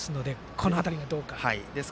この辺り、どうか。